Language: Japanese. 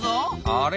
あれ？